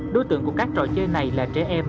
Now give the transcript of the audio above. đối tượng của các trò chơi này là trẻ em